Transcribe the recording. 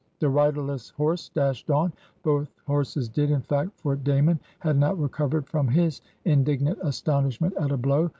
The riderless horse dashed on. Both horses did, in fact, for Damon had not recovered from his indignant astonish ment at a blow.